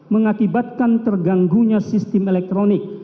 mengakibatkan terganggunya sistem elektronik